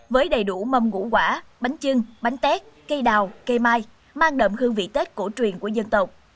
với đầy đủ mâm ngũ quả bánh chưng bánh tét cây đào cây mai mang đậm hương vị tết cổ truyền của dân tộc